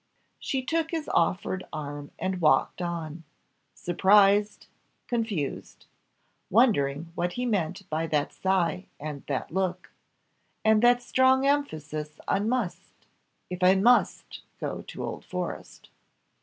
She took his offered arm and walked on surprised confused; wondering what he meant by that sigh and that look and that strong emphasis on must. "If I must go to Old Forest."